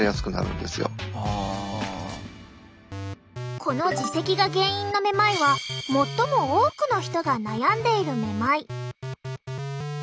この耳石が原因のめまいは最も多くの人が悩んでいるめまい。